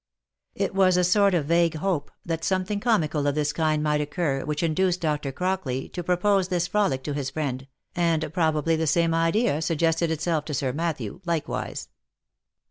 It was a sort of vague hope that something comical of this kind might occur, which induced Dr. Crockley to propose this frolic to his friend, and probably the same idea suggested itself to Sir Mat thew likewise.